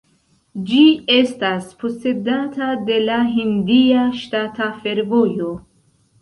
Ĝi estas posedata de la Hindia ŝtata fervojo.